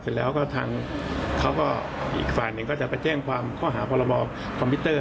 เสร็จแล้วก็ทางเขาก็อีกฝ่ายหนึ่งก็จะไปแจ้งความข้อหาพรบคอมพิวเตอร์